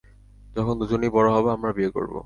যখন দুজনেই বড় হবো, আমরা বিয়ে করবো।